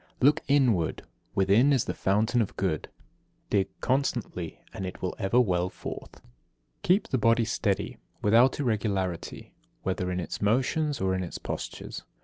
59. Look inward. Within is the fountain of Good. Dig constantly and it will ever well forth. 60. Keep the body steady, without irregularity, whether in its motions or in its postures.